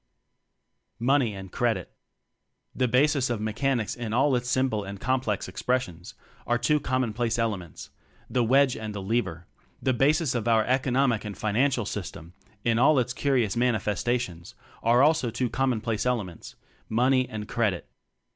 Money and Credit. The bases of Mechanics in all its simple and complex expressions are two commonplace elements the Wedge and the Lever; the bases of pur Economic and Financial System in all its curious manifestations are also two commonplace elements "Money" and "Credit."